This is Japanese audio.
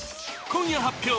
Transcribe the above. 今夜発表！